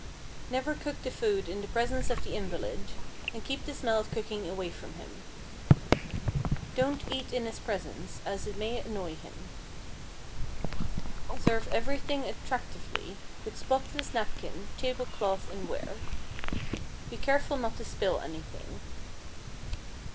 Never cook the food in the presence of the invalid, and keep the smell of cooking away from him. Don't eat in his presence, as it may annoy him. Serve everything attractively, with spotless napkin, table cloth, and ware. Be careful not to spill anything.